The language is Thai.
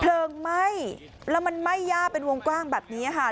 ไหม้แล้วมันไหม้ย่าเป็นวงกว้างแบบนี้ค่ะ